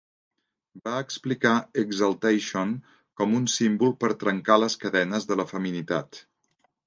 Va explicar "Exaltation" com un símbol per "trencar les cadenes de la feminitat".